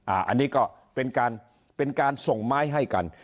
อันนี้ก็เป็นการส่งไม้ให้กัน